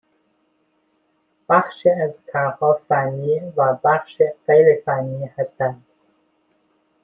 بخشی از کارها فنی و بخشی غیر فنی هستند